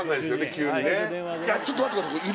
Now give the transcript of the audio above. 急にねちょっと待ってください